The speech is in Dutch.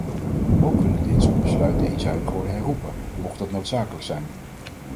Ook kunnen dit soort besluiten eenzijdig worden herroepen, mocht dat noodzakelijk zijn.